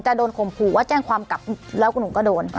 จะโดนขมผูว่าแจ้งความกลับแล้วหนูก็โดน